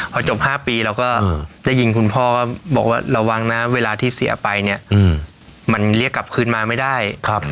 พอจบ๕ปีเราก็ได้ยินคุณพ่อก็บอกว่าระวังนะเวลาที่เสียไปเนี่ยมันเรียกกลับคืนมาไม่ได้